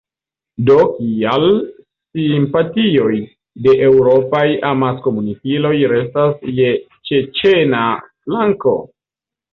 Do kial simpatioj de eŭropaj amaskomunikiloj restas je ĉeĉena flanko?